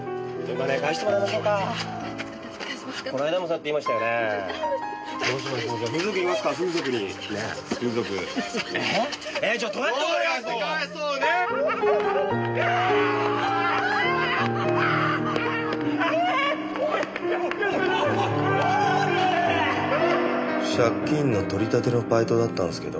借金の取り立てのバイトだったんすけど。